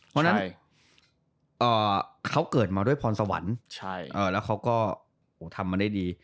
เพราะฉะนั้นเขาเกิดมาด้วยพรสวรรค์แล้วเขาก็ทำมาได้ดี